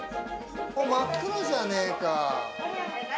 真っ黒じゃねえか。